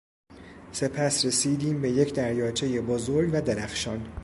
سپس رسیدیم به یک دریاچهی بزرگ و درخشان